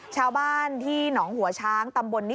ชาวบ้านที่หนองหัวช้าง